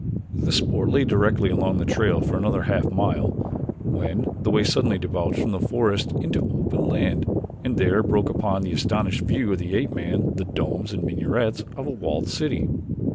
The spoor lay directly along the trail for another half mile when the way suddenly debouched from the forest into open land and there broke upon the astonished view of the ape man the domes and minarets of a walled city.